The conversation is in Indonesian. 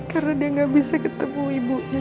karena dia gak bisa ketemu ibunya